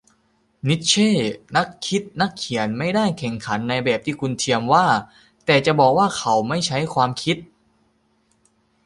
นิทเช่ นักคิดนักเขียนไม่ได้แข่งขันในแบบที่คุณเทียมว่า แต่จะบอกว่าเขาไม่ใช้ความคิด ?